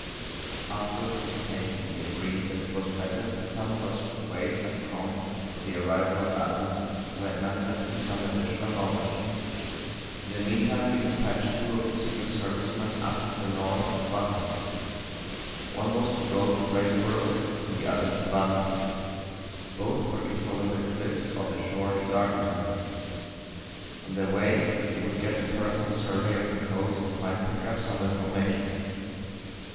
After a consultation we agreed that it was better that some of us should wait at Crom for the arrival of Adams, who had manifestly some additional knowledge. In the meantime we despatched two of the Secret Service men up to the north of Buchan. One was to go to Fraserburgh, and the other to Banff. Both were to follow the cliffs or the shore to Gardentown. On their way they would get a personal survey of the coast and might pick up some information.